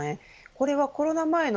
これはコロナ前の